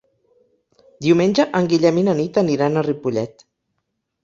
Diumenge en Guillem i na Nit aniran a Ripollet.